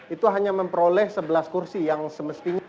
itu hanya memperoleh sebelas kursi yang semestinya